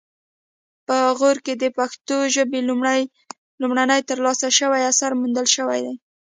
په غور کې د پښتو ژبې لومړنی ترلاسه شوی اثر موندل شوی دی